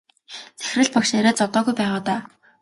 Захирал багш арай зодоогүй байгаа даа.